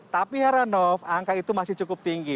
tapi heranov angka itu masih cukup tinggi